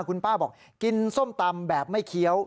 คุณป้าบอกกินส้มตำแบบไม่เคี้ยว